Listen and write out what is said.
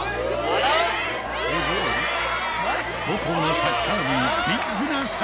母校のサッカー部にビッグな差し入れ